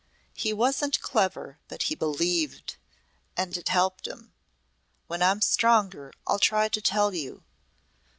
He wasn't clever, but he believed. And it helped him. When I'm stronger I'll try to tell you.